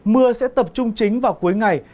mưa sẽ tập trung chính vào cuối ngày